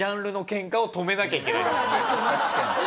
確かに。